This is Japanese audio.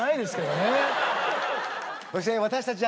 そして私たち